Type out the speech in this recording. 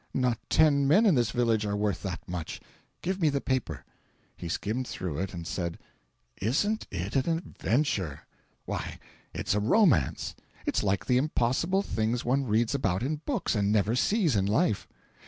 Not ten men in this village are worth that much. Give me the paper." He skimmed through it and said: "Isn't it an adventure! Why, it's a romance; it's like the impossible things one reads about in books, and never sees in life."